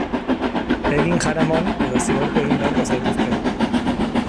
Egin jaramon edo zigortu egin beharko zaituztegu.